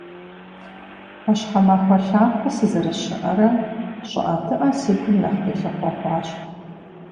Ӏуащхьэмахуэ лъапэ сызэрыщыӏэрэ, щӏыӏэтыӏэ си гум нэхъ къилъыхъуэ хъуащ.